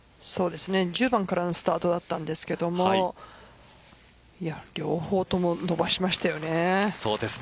１０番からのスタートだったんですけど両方とも伸ばしましたよね。